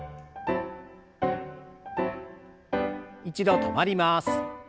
一度止まります。